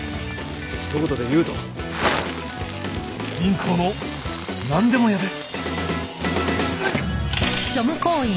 ひと言で言うと銀行のなんでも屋です！